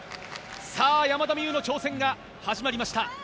さあ、山田美諭の挑戦が始まりました。